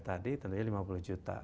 tadi tentunya lima puluh juta